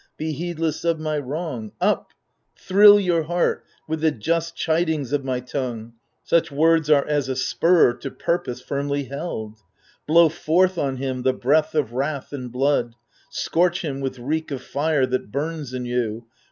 Be heedless of my wrong. Up ! thrill your heart With the just chidings of my tongue, — such words Are as a spur to purpose firmly held. Blow forth on him the breath of wrath and blood. Scorch him with reek of fire that bums in you.